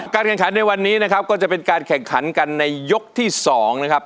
แข่งขันในวันนี้นะครับก็จะเป็นการแข่งขันกันในยกที่๒นะครับ